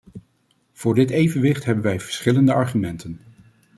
Voor dit evenwicht hebben wij verschillende argumenten.